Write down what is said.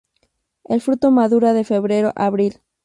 El fruto madura de febrero a abril.